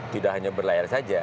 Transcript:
tidak hanya berlayar saja